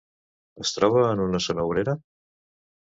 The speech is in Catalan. Es troba en una zona obrera?